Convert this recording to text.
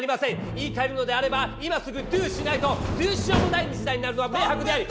言いかえるのであれば今すぐドゥしないとドゥしようもない事態になるのは明白であり。